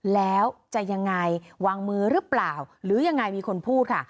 แล้วจะยังไงวางมือหรือเปล่าหรือยังไงมีคนพูดค่ะ